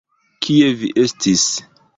Kie vi estis?